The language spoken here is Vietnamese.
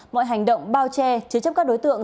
mọi hành động bao che chế chấp các đối tượng